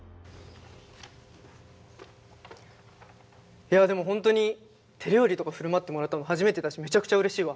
いやでも本当に手料理とか振る舞ってもらったの初めてだしめちゃくちゃうれしいわ。